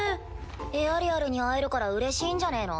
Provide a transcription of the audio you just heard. エアリアルに会えるからうれしいんじゃねぇの？